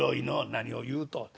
「何を言うとん。